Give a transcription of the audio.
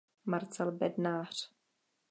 Marcel Bednář.